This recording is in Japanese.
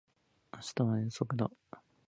明日は遠足だ